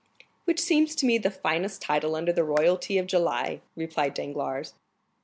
"Which seems to me the finest title under the royalty of July," replied Danglars.